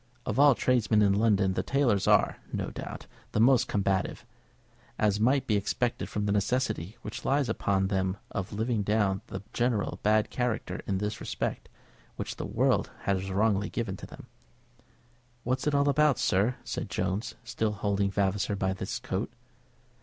Of all tradesmen in London the tailors are, no doubt, the most combative, as might be expected from the necessity which lies upon them of living down the general bad character in this respect which the world has wrongly given them. "What's it all about, sir?" said Jones, still holding Vavasor by his coat.